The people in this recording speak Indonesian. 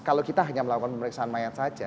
kalau kita hanya melakukan pemeriksaan mayat saja